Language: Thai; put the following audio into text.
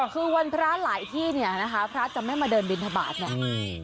คือวันพระหลายที่เนี่ยนะคะพระจะไม่มาเดินบินทบาทเนี่ย